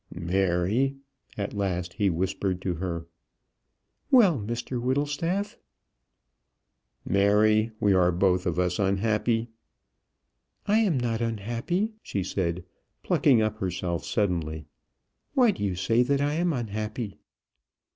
"Mary," at last he whispered to her. "Well, Mr Whittlestaff?" "Mary, we are both of us unhappy." "I am not unhappy," she said, plucking up herself suddenly. "Why do you say that I am unhappy?"